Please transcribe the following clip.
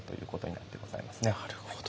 なるほど。